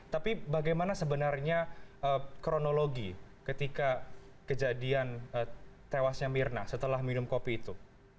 tapi bagaimana sebenarnya kronologi ketika kejadian tewasnya mirna setelah minum kopi itu